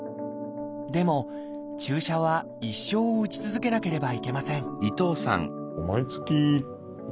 でも注射は一生打ち続けなければいけません